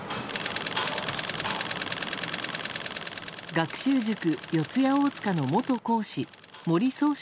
学習塾、四谷大塚の元講師森崇翔